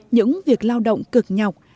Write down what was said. những việc lao động cực nhọc